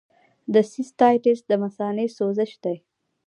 د سیسټایټس د مثانې سوزش دی.